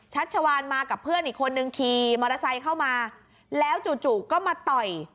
ชัชวานมากับเพื่อนอีกคนนึงขี่มอเตอร์ไซค์เข้ามาแล้วจู่ก็มาต่อย